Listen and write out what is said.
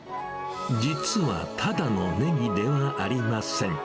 実はただのネギではありません。